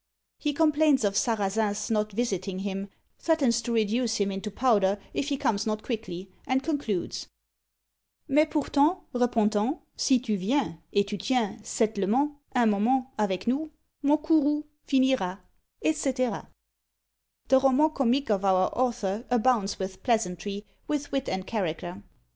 He complains of Sarrazin's not visiting him, threatens to reduce him into powder if he comes not quickly; and concludes, Mais pourtant, Repentant Si tu viens Et tu tiens Settlement Un moment Avec nous, Mon courroux Finira, ET CÆTERA. The Roman Comique of our author abounds with pleasantry, with wit and character.